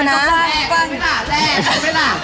แหละแหละ